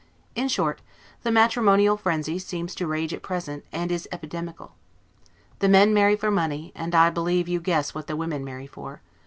In short, the matrimonial frenzy seems to rage at present, and is epidemical. The men marry for money, and I believe you guess what the women marry for.